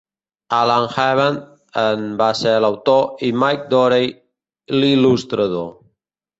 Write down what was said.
Alan Hebden en va ser l'autor i Mike Dorey, l'il·lustrador.